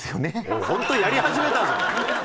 おい本当にやり始めたぞ。